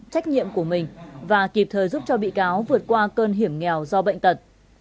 trách nhiệm của mình và kịp thời giúp cho bị cáo vượt qua cơn hiểm nghèo do bệnh tật